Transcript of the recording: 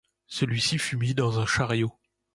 Celui-ci fut mis dans un chariot.